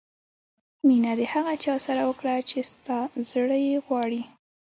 مینه د هغه چا سره وکړه چې ستا زړه یې غواړي.